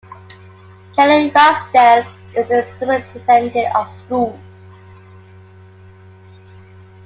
Kelley Ransdell is the Superintendent of Schools.